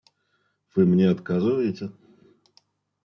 Вы мне отказываете?